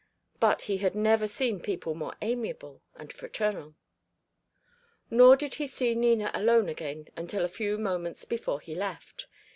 But he had never seen people more amiable and fraternal. He did not see Nina alone again until a few moments before he left.